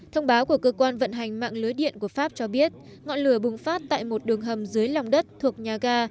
thông báo của cơ quan vận hành mạng lưới điện của pháp cho biết ngọn lửa bùng phát tại một đường hầm dưới lòng đất thuộc nhà ga